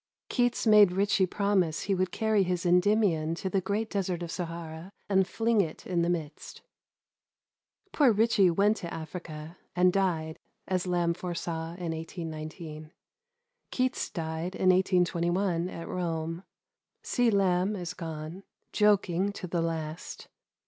Keats made Ritchie promise he would carry his Endymion to the great desert of Sahara, and fling it in the midst. Poor Ritchie went to Africa, and died, as Lamb foresaw in 1819. Keats died in 1821, at Rome. C. Lamb is gone, joking to the last.